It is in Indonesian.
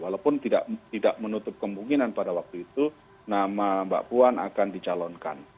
walaupun tidak menutup kemungkinan pada waktu itu nama mbak puan akan dicalonkan